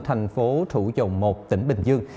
thành phố thủ dồng một tỉnh bình dương